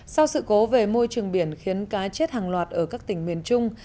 sau sự cố về môi trường biển khiến cá chết hàng loạt ở các tỉnh miền trung